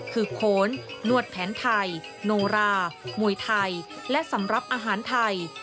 คือโขนนวดแผนไทยโนรามวยไทยและสำหรับอาหารไทย